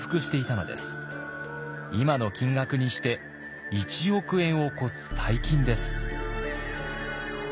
今の金額にして１億円を超す大金です。